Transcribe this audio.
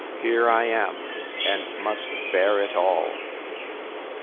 —Here I am, and must bear it all!